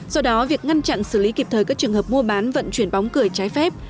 do đó việc ngăn chặn xử lý kịp thời các trường hợp mua bán vận chuyển bóng cười trái phép